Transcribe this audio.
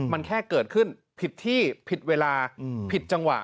มันแค่เกิดขึ้นผิดที่ผิดเวลาผิดจังหวะ